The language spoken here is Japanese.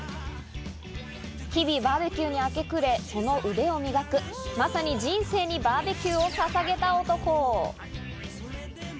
日々バーベキューに明け暮れ、その腕を磨く、まさに人生をバーベキューにささげた男。